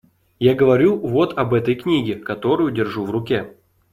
Я говорю вот об этой книге, которую держу в руке.